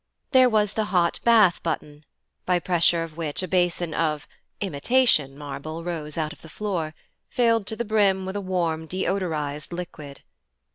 There was the hot bath button, by pressure of which a basin of (imitation) marble rose out of the floor, filled to the brim with a warm deodorized liquid.